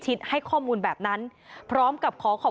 ทีนี้จากรายทื่อของคณะรัฐมนตรี